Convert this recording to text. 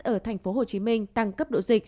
ở tp hcm tăng cấp độ dịch